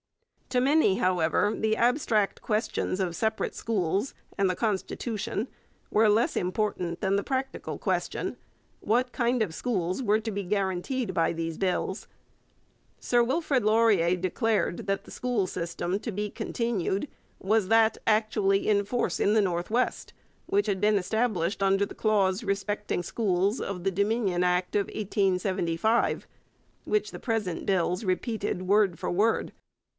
To many, however, the abstract questions of separate schools and the constitution were less important than the practical question, What kind of schools were to be guaranteed by these bills? Sir Wilfrid Laurier declared that the school system to be continued was that actually in force in the North West, which had been established under the clause respecting schools of the Dominion Act of 1875, which the present bills repeated word for word.